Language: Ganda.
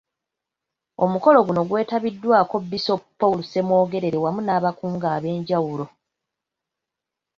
Omukolo guno gwetabiddwako Bisopu Paul Ssemwogerere wamu n’abakungu ab’enjawulo.